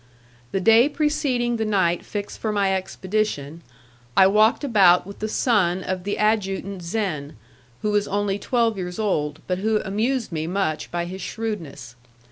The day preceding the night fixed for my expedition, I walked about with the son of the Adjutant Zen, who was only twelve years old, but who amused me much by his shrewdness.